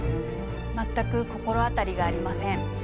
全く心当たりがありません。